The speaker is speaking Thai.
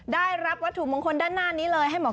ได้รับวัตถุมงคลด้านหน้านี้เลย